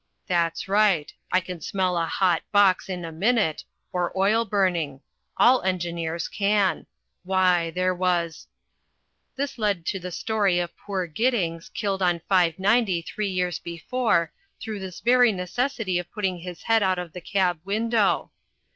"That's right. I can smell a hot box in a minute, or oil burning. All engineers can. Why, there was " This led to the story of poor Giddings, killed on 590 three years before through this very necessity of putting his head out of the cab window.